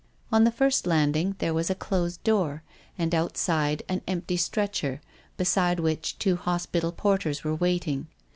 On the first landing there was a closed door, and outside an empty stretcher, beside which two hospital porters were waiting.